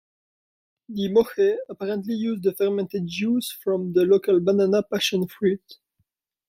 The Moche apparently used the fermented juice from the local banana passionfruit.